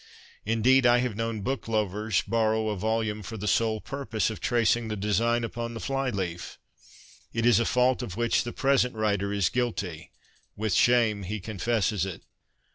Indeed, I have known book lovers borrow a volume for the sole purpose of tracing the design upon the fly leaf. It is a fault of which the present writer is guilty. With shame he confesses it.